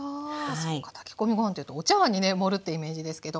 そっか炊き込みご飯っていうとお茶わんにね盛るってイメージですけど。